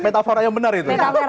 metafora yang benar itu